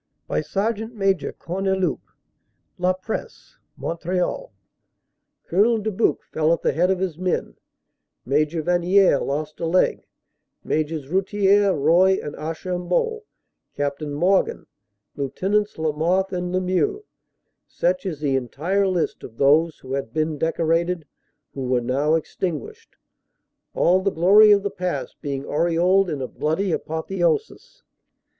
by Sergt. Major Corn eloup; La Presse, Montreal: "Col. Dubuc fell at head of his men; Major Vanier lost a leg; Majors Routier, Roy and 140 CANADA S HUNDRED DAYS Archambault, Capt. Morgan, Lieutenants Lamothe and Lem ieux: such is the entire list of those who had been decorated who were now extinguished, all the glory of the past being aureoled in a bloody apotheosis.